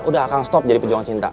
udah akan stop jadi pejuang cinta